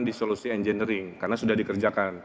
di solusi engineering karena sudah dikerjakan